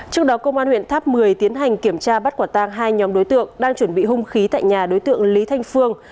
trước đó công an huyện tháp một mươi tiến hành kiểm tra bắt quả tang hai nhóm đối tượng đang chuẩn bị hung khí tại nhà đối tượng lý thanh phương